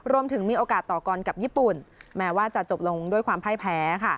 มีโอกาสต่อกรกับญี่ปุ่นแม้ว่าจะจบลงด้วยความพ่ายแพ้